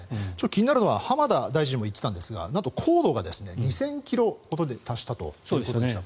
気になるのは浜田大臣も言っていましたがなんと高度が２０００ｋｍほどに達したということでした。